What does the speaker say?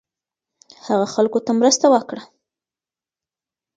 هغه خلکو ته مرسته وکړه